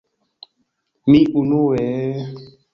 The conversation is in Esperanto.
Mi unue...